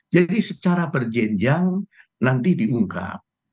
secara berjenjang nanti diungkap